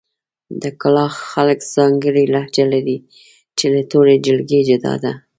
د کلاخ خلک ځانګړې لهجه لري، چې له ټولې جلګې جدا ده.